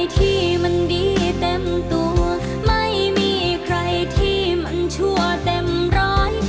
ที่มันดีเต็มตัวไม่มีใครที่มันชั่วเต็มร้อย